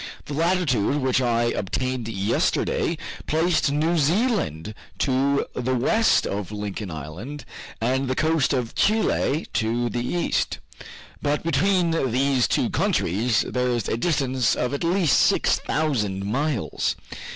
The latitude which I obtained yesterday placed New Zealand to the west of Lincoln Island, and the coast of Chile to the east. But between these two countries, there is a distance of at least six thousand miles.